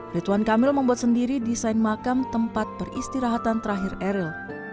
rituan kamil membuat sendiri desain makam tempat peristirahatan terakhir eril